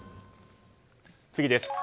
次です。